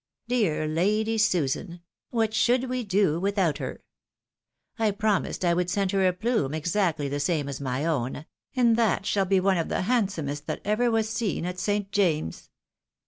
Dear Lady Susan ! what should we do without her ! I promised I would send her a plume exactly the same as my own — and that shall be one of the handsomest that ever was seen at St. James's.